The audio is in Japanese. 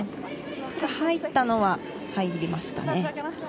ただ入ったのは入りましたね。